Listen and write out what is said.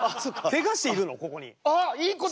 ケガしているのここに。